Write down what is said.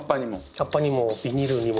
葉っぱにもビニールにも。